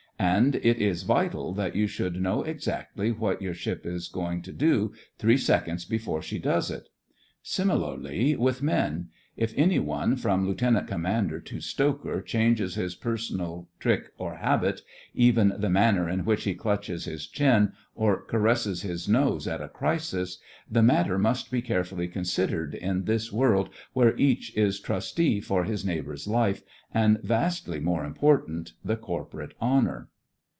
And it is vital that you should know exactly what your ship is going to do three seconds before she does it. Similarly with men. If any one, from Lieutenant Com mander to stoker, changes his per sonal trick or habit — even the manner in which he clutches his chin or caresses his nose at a crisis — the THE FRINGES OF THE FLEET 107 matter must be carefully considered in this world where each is trustee for his neighbour's life and, vastly more important, the corporate honour.